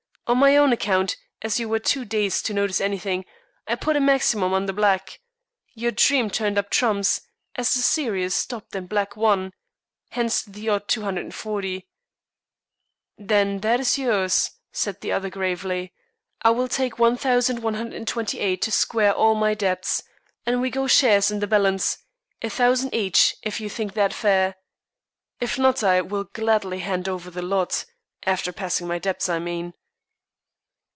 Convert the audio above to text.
On my own account, as you were too dazed to notice anything, I put a maximum on the black. Your dream turned up trumps, as the series stopped and black won. Hence the odd £240." "Then that is yours," said the other gravely. "I will take £1,128 to square all my debts, and we go shares in the balance, a thousand each, if you think that fair. If not I will gladly hand over the lot, after paying my debts, I mean."